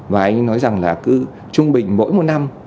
và anh nói rằng là cứ trung bình mỗi một năm